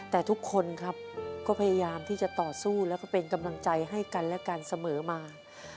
แต่ทุกคนครับก็พยายามที่จะต่อสู้แล้วก็เป็นกำลังใจให้กันและกันเสมอมา